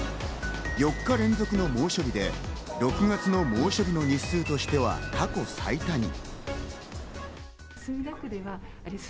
４日連続の猛暑日で６月の猛暑日の日数としては過去最多に。